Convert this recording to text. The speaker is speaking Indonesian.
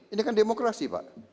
ini kan demokrasi pak